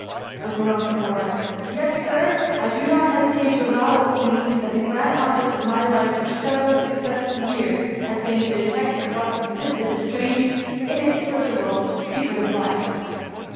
^^ (a groan of horror.) " Yes, Sir, I do not hesitate to avow openly, that the grand object of my life, for several successive years, has been to detect in what consisted the strange, inexplicable secret of life.